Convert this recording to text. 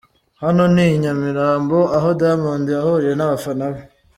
Hano ni i Nyamirambo aho Diamond yahuriye n'abafana be.